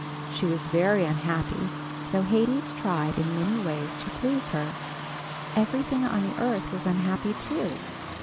She was very unhappy, though Hades tried in many ways to please her. Everything on the earth was unhappy, too.